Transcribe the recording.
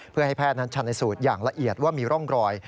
เพื่อให้แพทย์นั้นชันสูตรอย่างละเอียดว่ามีร่องรอย